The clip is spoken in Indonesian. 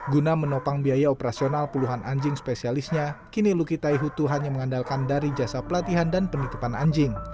guna menopang biaya operasional puluhan anjing spesialisnya kini luki taihutu hanya mengandalkan dari jasa pelatihan dan penitipan anjing